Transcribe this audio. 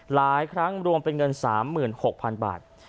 หลายครั้งรวมเป็นเงิน๓๖๐๐๐บาท